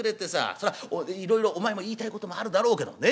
そりゃいろいろお前も言いたいこともあるだろうけどもね